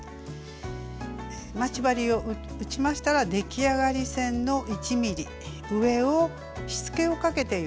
待ち針を打ちましたら出来上がり線の１ｍｍ上をしつけをかけていきます。